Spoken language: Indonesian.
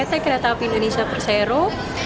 pt kereta api indonesia persero